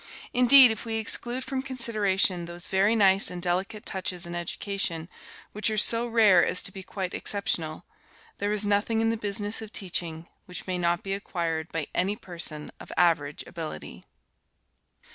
Indeed, if we exclude from consideration those very nice and delicate touches in education, which are so rare as to be quite exceptional, there is nothing in the business of teaching which may not be acquired by any person of average ability.